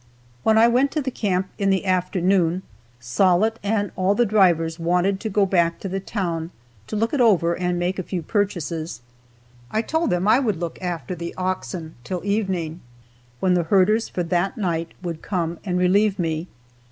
When I went to the camp in the afternoon Sollitt and all the drivers wanted to go back to the town to look it over and make a few purchases. I told them I would look after the oxen till evening, when the herders for that night would come and relieve me.